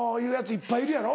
いっぱいいるやろ？